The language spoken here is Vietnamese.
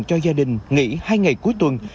cho gia đình nghỉ hai ngày cuối tuần